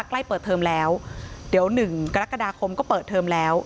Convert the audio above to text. ใกล้เปิดเทอมแล้วเดี๋ยวหนึ่งกรกฎาคมก็เปิดเทอมแล้ว